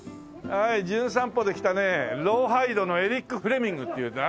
『じゅん散歩』で来たね『ローハイド』のエリック・フレミングという。